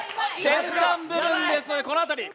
先端部分ですので、この辺り。